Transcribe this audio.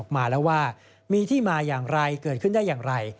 มาแล้วว่ามีที่มาอย่างไรเกิดขึ้นได้อย่างไร